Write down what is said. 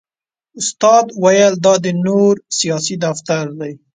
استاد ویل دا د نور سیاسي دفتر دی.